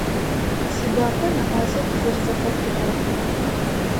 Сигуапэ нэӏуасэ тызэрэзэфэхъугъэр.